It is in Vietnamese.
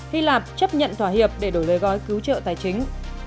hy lạp chấp nhận thỏa hiệp để đổi lấy gói cứu trợ tài chính